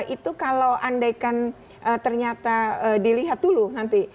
itu kalau andaikan ternyata dilihat dulu nanti